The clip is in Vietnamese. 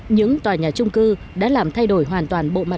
những tòa nhà trung cư đã làm thay đổi hoàn toàn bộ mạng